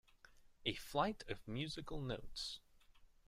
A flight of musical notes.